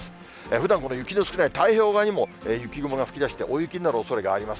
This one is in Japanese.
ふだん、この雪の少ない太平洋側にも雪雲が吹き出して、大雪になるおそれがあります。